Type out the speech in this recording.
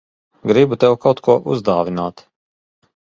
Gribu tev kaut ko uzdāvināt.